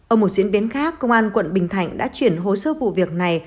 ở một diễn biến khác công an quận bình thạnh đã chuyển hồ sơ vụ việc này